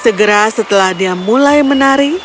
segera setelah dia mulai menari